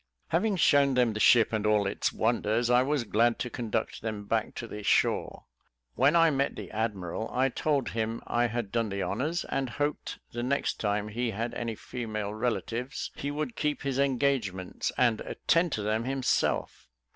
Having shown them the ship and all its wonders, I was glad to conduct them back to the shore. When I met the admiral, I told him I had done the honours, and hoped the next time he had any female relatives, he would keep his engagements, and attend to them himself.